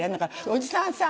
「おじさんさ